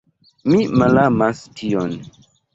Mi malamas tion.